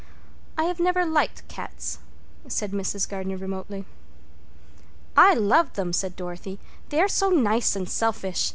"I have never liked cats," said Mrs. Gardner remotely. "I love them," said Dorothy. "They are so nice and selfish.